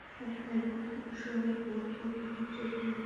আবার এরকম শো-অফ করাও ঠিক না।